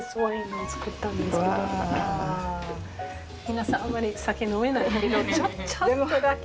皆さんあんまり酒飲めないけどちょっとだけ。